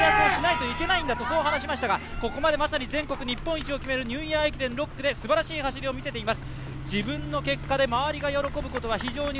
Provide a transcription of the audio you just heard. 羽生拓矢という人間は全国の舞台で活躍をしないといけないんだと話しましたがここまでまさに全国日本一を決めるニューイヤー駅伝、６区ですばらしい走りを見せています。